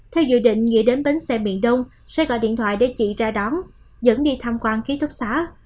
theo dự định nghĩa đến bến xe miền đông sẽ gọi điện thoại để chị ra đón dẫn đi tham quan ký túc xá